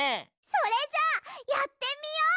それじゃあやってみよう。